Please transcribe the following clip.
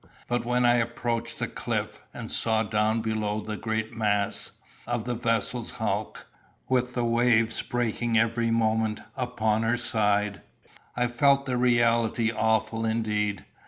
But when I approached the cliff, and saw down below the great mass, of the vessel's hulk, with the waves breaking every moment upon her side, I felt the reality awful indeed.